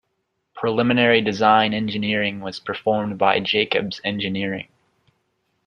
Preliminary design engineering was performed by Jacobs Engineering.